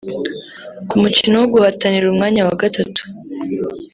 Ku mukino wo guhatanira umwanya wa gatatu